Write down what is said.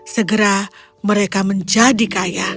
segera mereka menjadi kaya